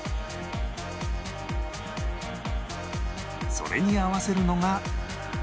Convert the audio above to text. それに合わせるのが